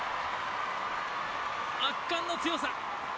圧巻の強さ。